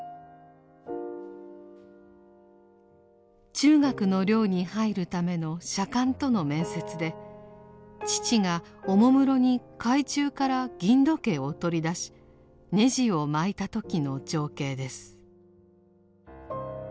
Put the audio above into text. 中学の寮に入るための舎監との面接で父がおもむろに懐中から銀時計を取り出しねじを捲いた時の情景です。